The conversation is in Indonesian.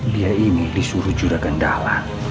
dia ini disuruh jura gendala